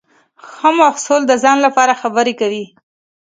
ښه محصول د ځان لپاره خبرې کوي.